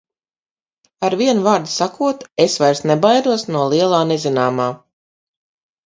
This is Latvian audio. Ar vienu vārdu sakot, es vairs nebaidos no lielā nezināmā.